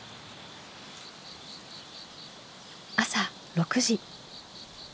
朝６時。